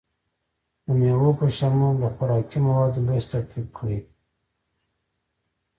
د میوو په شمول د خوراکي موادو لست ترتیب کړئ.